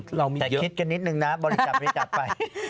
แต่คิดกันนิดหนึ่งนะบริษัทนี้กลับไป